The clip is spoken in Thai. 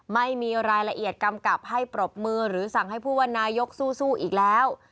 ไม่มีรายละเอียดกำกับให้ปรบมือหรือสั่งให้ผู้ว่านายกสู้อีกแล้ว